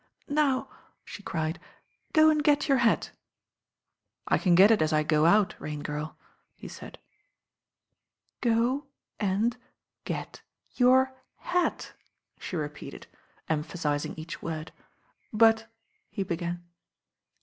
"Now," she cried, "go and get your hat." *'I can get it as I go out, Rain^irl," he said. "Go— and— get— your— hat," she repeated, em phasismg each word. I'But— —•* he began.